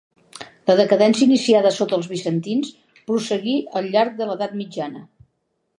La decadència iniciada sota els bizantins prosseguí al llarg de l'Edat mitjana.